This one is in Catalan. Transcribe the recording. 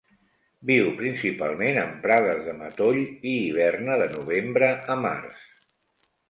Viu principalment en prades de matoll i hiberna de novembre a març.